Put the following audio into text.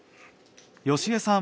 好江さん